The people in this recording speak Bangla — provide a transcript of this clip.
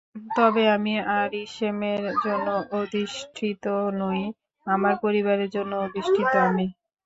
তবে আমি আরিশেমের জন্য অধিষ্ঠিত নই, আমার পরিবারের জন্য অধিষ্ঠিত আমি!